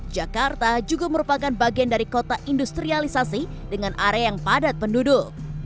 jakarta juga merupakan bagian dari kota industrialisasi dengan area yang padat penduduk